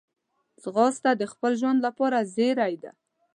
ځغاسته د خپل ژوند لپاره زېری ده